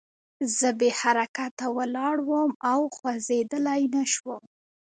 زه بې حرکته ولاړ وم او خوځېدلی نه شوم